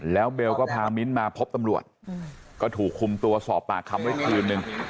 แล้วเบลก็พามิ้นมาพบตำรวจก็ถูกคุมตัวสอบปากคำไว้คืนนึง